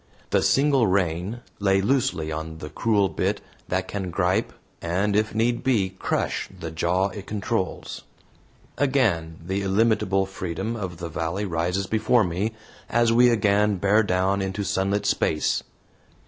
The single rein lay loosely on the cruel bit that can gripe, and if need be, crush the jaw it controls. Again the illimitable freedom of the valley rises before me, as we again bear down into sunlit space.